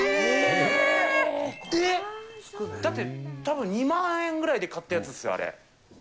えー！だってたぶん２万円ぐらいで買ったやつっすよ、あれ。